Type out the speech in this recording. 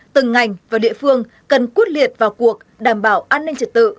từng ngành và địa phương cần quyết liệt vào cuộc đảm bảo an ninh trật tự